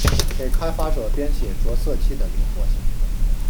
给开发者编写着色器的灵活性。